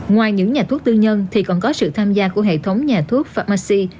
ngoài những nhà thuốc tư nhân thì còn có sự tham gia của hệ thống nhà thuốc pharmacy